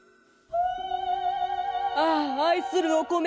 ああ愛するお米。